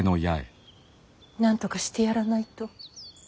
なんとかしてやらないと。